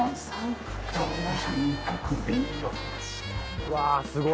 うわあすごい。